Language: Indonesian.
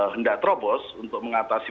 hendak terobos untuk mengatasi